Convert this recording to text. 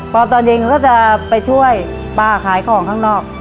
พอตอนเย็นก็จะไปช่วยป้าขายของข้างนอก